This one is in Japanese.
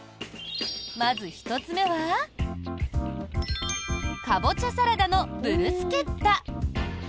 まず、１つ目はかぼちゃサラダのブルスケッタ。